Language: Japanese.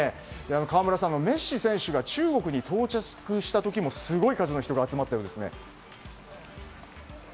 河村さん、メッシ選手が中国に到着した時もすごい数の人が集まったようですね。